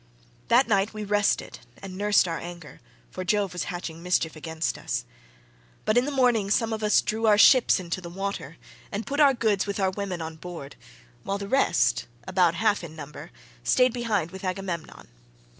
"That night we rested and nursed our anger, for Jove was hatching mischief against us. But in the morning some of us drew our ships into the water and put our goods with our women on board, while the rest, about half in number, stayed behind with Agamemnon.